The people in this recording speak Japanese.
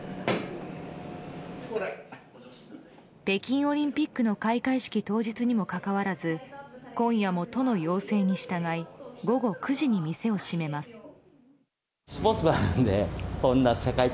北京オリンピックの開会式当日にもかかわらず今夜も都の要請に従い午後９時に店を閉めます。